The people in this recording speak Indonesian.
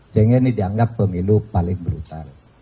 sehingga ini dianggap pemilu paling brutal